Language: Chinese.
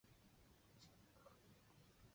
这将使太空局拥有稳定的资金汇集。